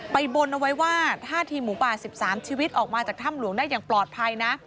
บนเอาไว้ว่าถ้าทีมหมูป่า๑๓ชีวิตออกมาจากถ้ำหลวงได้อย่างปลอดภัยนะ